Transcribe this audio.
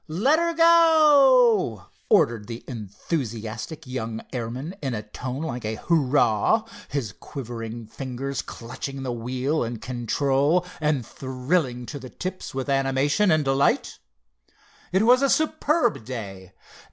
"Let her go," ordered the enthusiastic young airman in a tone like a hurrah, his quivering fingers clutching wheel and control, and thrilling to the tips with animation and delight. It was a superb day.